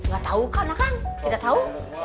gak tahu kan abah tidak tahu